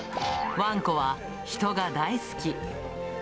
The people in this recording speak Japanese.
ワンコは人が大好き。